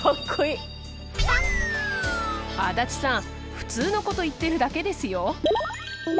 普通のこと言ってるだけですよ。